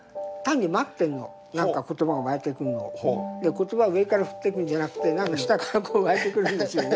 言葉が上から降ってくるんじゃなくて何か下からこうわいてくるんですよね。